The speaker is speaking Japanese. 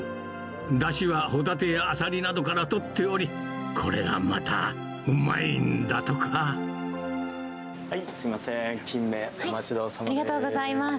だしはホタテやアサリなどからとっており、これがまたうまいんだすみません、キンメ、ありがとうございます。